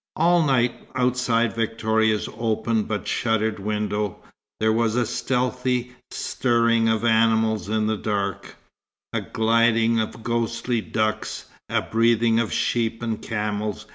All night, outside Victoria's open but shuttered window, there was a stealthy stirring of animals in the dark, a gliding of ghostly ducks, a breathing of sheep and camels.